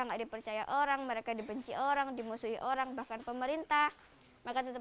nggak dipercaya orang mereka dibenci orang dimusuhi orang bahkan pemerintah maka tetap